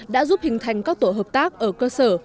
đã giúp hình thành các tổ hợp tác ở cơ sở